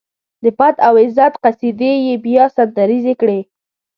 د پت او عزت قصيدې يې بيا سندريزې کړې.